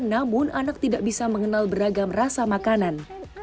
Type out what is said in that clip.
namun anak tidak bisa mengenal beragam rasa makanan